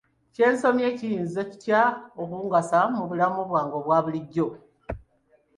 Kye nsomye kiyinza kitya okungasa mu bulamu bwange obwabulijjo?